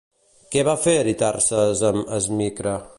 Què va fer Eritarses amb Esmicre?